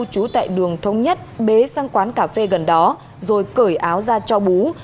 chú tại đường thông nhất bế sang quán cà phê gần đó rồi cởi áo ra cho bú